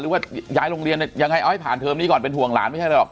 หรือว่าย้ายโรงเรียนยังไงเอาให้ผ่านเทอมนี้ก่อนเป็นห่วงหลานไม่ใช่อะไรหรอก